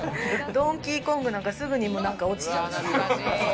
『ドンキーコング』なんか直ぐに落ちちゃう。